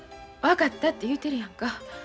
分かったって言うてるやんか。